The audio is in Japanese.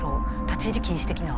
立ち入り禁止的な？